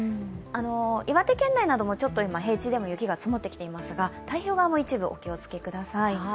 岩手県内なども平地でも雪が積もってきていますが太平洋側も一部お気をつけください。